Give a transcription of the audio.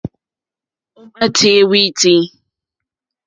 Ò màá tíyɛ́ wítí.